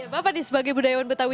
bapak sebagai budayawan betawi